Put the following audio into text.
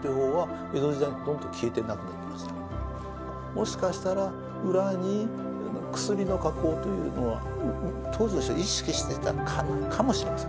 もしかしたら裏に薬の加工というのは当時の人は意識してたかもしれません。